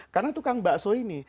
karena tukang bakso ini